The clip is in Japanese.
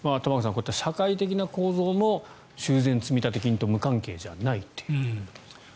こういった社会的構造も修繕積立金と無関係じゃないという。